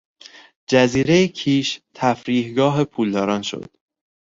جزیرهی کیش تفریحگاه پولداران شد.